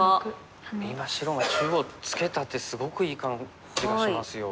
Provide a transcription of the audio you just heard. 今白が中央ツケた手すごくいい感じがしますよ。